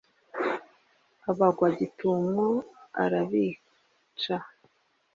abagwa gitumo arabica